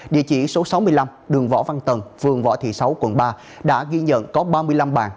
địa chỉ số sáu mươi năm đường võ văn tần phường võ thị sáu quận ba đã ghi nhận có ba mươi năm bàn